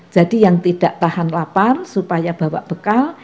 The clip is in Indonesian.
jadi yang tidak tahan lapar supaya bawa bekal